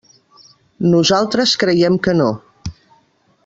Nosaltres creiem que no.